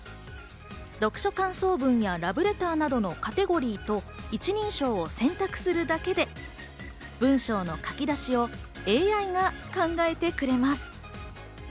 読書感想文や、ラブレターなどのカテゴリーと一人称を選択するだけで、文章の書き出しをＡＩが考えてくれます。